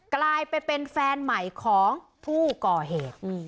กลายไปเป็นแฟนใหม่ของผู้ก่อเหตุ